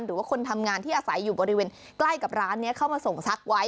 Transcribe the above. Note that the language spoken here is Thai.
หรือว่าคนทำงานที่อาศัยอยู่บริเวณใกล้กับร้านนี้เข้ามาส่งซักไว้